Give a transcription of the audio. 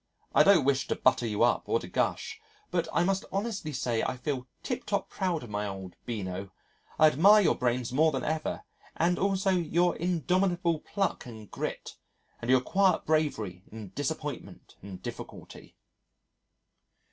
I don't wish to butter you up, or to gush, but I must honestly say that I feel tip top proud of my old Beano. I admire your brains more than ever, and also your indomitable pluck and grit, and your quiet bravery in disappointment and difficulty...."